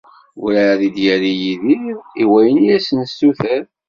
Urεad d-yerri Yidir i wayen i as-nessuter.